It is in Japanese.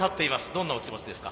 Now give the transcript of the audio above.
どんなお気持ちですか？